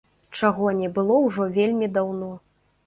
Чаго не было ўжо вельмі даўно.